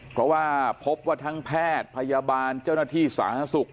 เพราะว่าพบว่าทั้งแพทย์พยาบาลเจ้าหน้าที่สาธารณสุข